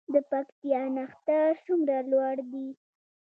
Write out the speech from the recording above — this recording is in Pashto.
د پکتیا نښتر څومره لوړ دي؟